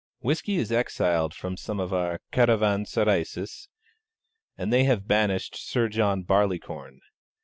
Whisky is exiled from some of our caravanserais, and they have banished Sir John Barleycorn.